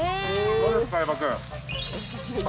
どうですか？